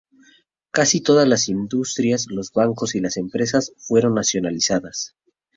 Casi todas las industrias, los bancos y las empresas fueron nacionalizadas.